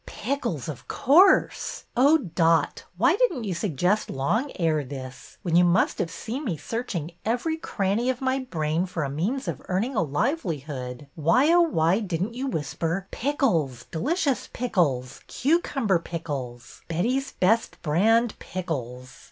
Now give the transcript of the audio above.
Pickles, of course ! Oh, Dot, why did n't you suggest long ere this, — when you must have seen me searching every cranny of my brain for a means of earning a livelihood, — why, oh, why did n't you whisper, ' pickles,' delicious pickles, cucumber pickles, Betty's Best Brand Pickles?